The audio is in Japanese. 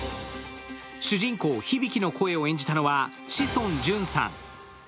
主人公、ヒビキの声を演じたのは、志尊淳さん。